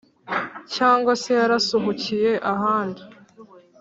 cyangwa se yarasuhukiye ahandi